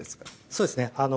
そうですね